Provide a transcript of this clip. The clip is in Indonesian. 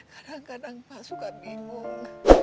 kadang kadang pak suka bingung